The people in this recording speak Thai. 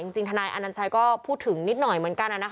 ทนายอนัญชัยก็พูดถึงนิดหน่อยเหมือนกัน